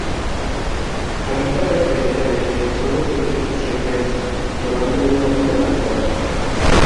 Habita preferentemente en zonas de vegetación densa, llevando una vida acuática.